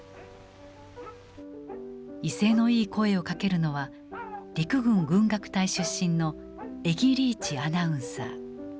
威勢のいい声をかけるのは陸軍軍楽隊出身の江木理一アナウンサー。